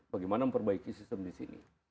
bagaimana memperbaiki sistem di sini